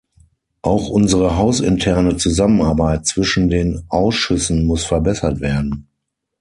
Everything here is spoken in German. Auch unsere hausinterne Zusammenarbeit zwischen den Ausschüssen muss verbessert werden.